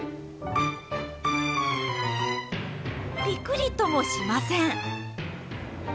ピクリともしません。